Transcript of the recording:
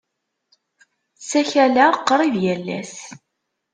Ssakaleɣ qrib yal ass.